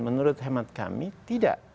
menurut hemat kami tidak